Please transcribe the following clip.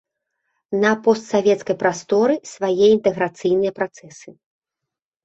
На постсавецкай прасторы свае інтэграцыйныя працэсы.